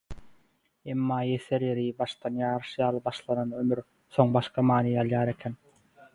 Emma ýeser ýeri, başda ýaryş ýaly başlanan ömür, soň başga many alýar eken.